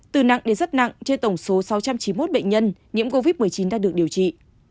từ nặng đến rất nặng trên tổng số sáu trăm chín mươi một bệnh nhân nhiễm covid một mươi chín đã được điều trị